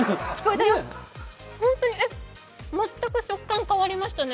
本当に、全く食感、変わりましたね。